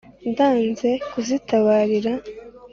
Ndanze kuzitabarira!